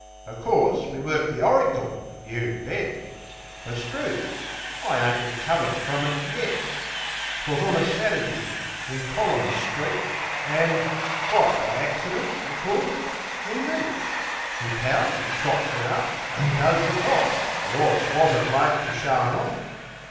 O' course we worked the oricle; you bet! But, 'struth, I ain't recovered frum it yet! 'Twas on a Saturdee, in Colluns Street, An' quite by accident, o' course we meet. Me pal 'e trots 'er up an' does the toff 'E allus wus a bloke fer showin' off.